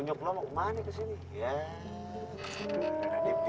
kunyuk lo mau ke mana kesini